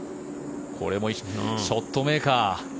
これもショットメーカー。